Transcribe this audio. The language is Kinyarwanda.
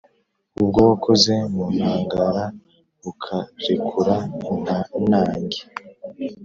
Ubwo wakoze mu ntagara ukarekura intanage